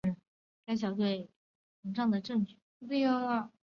该小队与高红移超新星搜寻队一起找到了宇宙加速膨胀的证据。